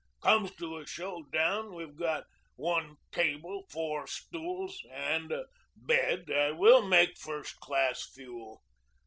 Comes to a showdown we've got one table, four stools, and a bed that will make first class fuel.